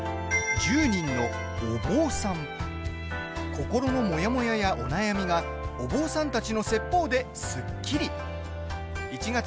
心のモヤモヤやお悩みがお坊さんたちの説法ですっきり。